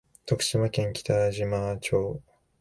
徳島県北島町